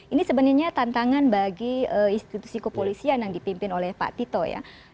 ini sebenarnya tantangan bagi institusi kopolisian yang dipimpin oleh patito ya